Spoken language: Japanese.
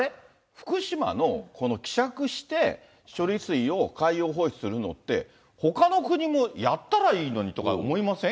福島のこの希釈して処理水を海洋放出するのって、ほかの国もやったらいいのにとか思いません？